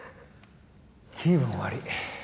気分悪ぃ。